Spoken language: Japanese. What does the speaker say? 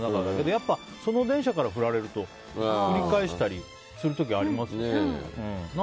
やっぱりその電車から振られると振り返したりする時ありますね。